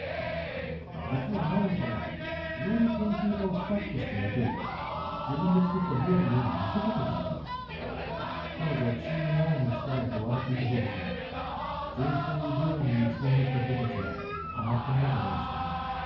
実はナオンさんは料理研究家をスタッフとして雇い自分で作った料理のように見せかけていたんです彼女はチームナオンの力だと笑っていたそうですが純粋に料理に打ち込んできた人達はたまったものじゃないでしょうね